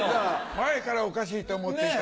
前からおかしいって思ってた。